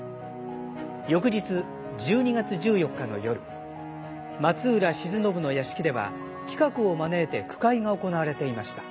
翌日１２月１４日の夜松浦鎮信の屋敷では其角を招いて句会が行われていました。